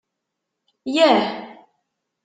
Yah!